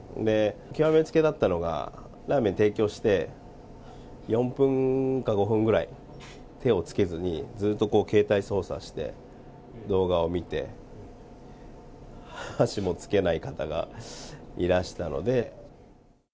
極めつけだったのが、ラーメン提供して、４分か５分ぐらい、手をつけずに、ずっと携帯操作して、動画を見て、箸もつけない方がいらしたので。